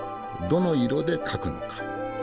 どの色で描くのか？